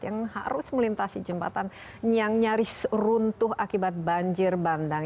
yang harus melintasi jembatan yang nyaris runtuh akibat banjir bandang